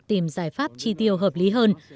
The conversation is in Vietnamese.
tìm giải pháp chi tiêu hợp lý hơn